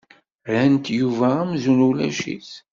Rrant Yuba amzun ulac-it.